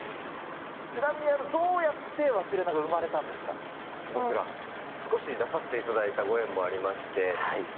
ちなみにどうやって、僕ら、少し出させていただいたご縁もありまして。